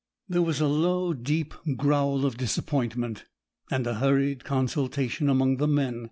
There was a low, deep growl of disappointment, and a hurried consultation among the men.